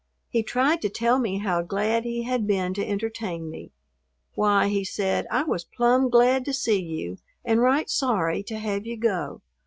He tried to tell me how glad he had been to entertain me. "Why," he said, "I was plumb glad to see you and right sorry to have you go.